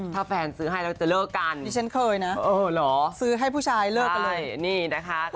ถ้าแฟนซื้อให้แล้วจะเลิกกันที่ฉันเคยนะเออเหรอเสื้อให้ผู้ชายเลิกกันเลย